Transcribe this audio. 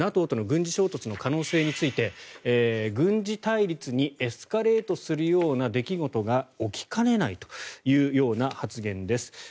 ＮＡＴＯとの軍事衝突の可能性について軍事対立にエスカレートするような出来事が起きかねないというような発言です。